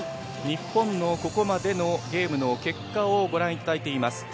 日本のここまでのゲームの結果を御覧いただいています。